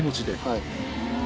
はい。